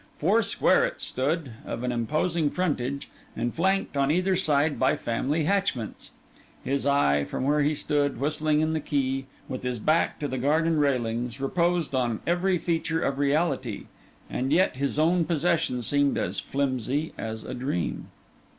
Four square it stood, of an imposing frontage, and flanked on either side by family hatchments. His eye, from where he stood whistling in the key, with his back to the garden railings, reposed on every feature of reality; and yet his own possession seemed as flimsy as a dream.